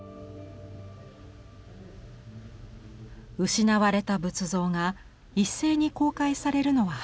失われた仏像が一斉に公開されるのは初めてのことです。